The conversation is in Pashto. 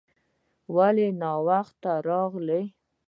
ولې ناوخته راغلې ؟